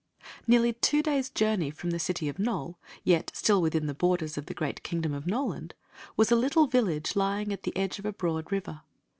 Nearly two days' journey from the city of Nole, yet still within the borders of the great kingdom of Noland, was a little village lying at the edge of a broad river.